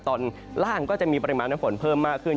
ตอนล่างก็จะมีปริมาณน้ำฝนเพิ่มมากขึ้น